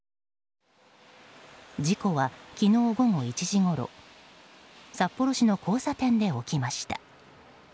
事故は昨日午後１時ごろ札幌市の交差点で起きました。